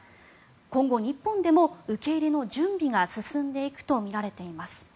今後、日本でも受け入れの準備が進んでいくとみられています。